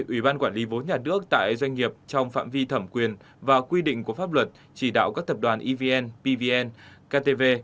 ủy ban quản lý vốn nhà nước tại doanh nghiệp trong phạm vi thẩm quyền và quy định của pháp luật chỉ đạo các tập đoàn evn pvn ktv